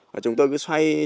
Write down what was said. và chúng tôi cứ xoay xoay tròn